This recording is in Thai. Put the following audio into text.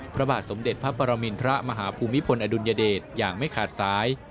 พระบาทสมเด็จพระปรมินทรมาฮภูมิพลอดุลยเดชอย่างไม่ขาดสาย